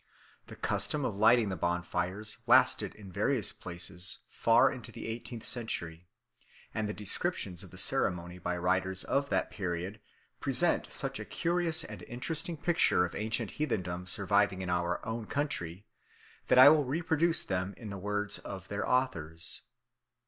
The custom of lighting the bonfires lasted in various places far into the eighteenth century, and the descriptions of the ceremony by writers of that period present such a curious and interesting picture of ancient heathendom surviving in our own country that I will reproduce them in the words of their authors.